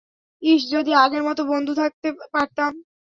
ইশ, যদি আগের মতো বন্ধু থাকতে পারতাম!